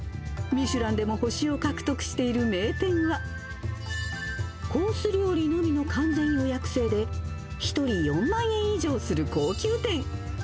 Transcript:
ミシュランでも星を獲得している名店は、コース料理のみの完全予約制で、１人４万円以上する高級店。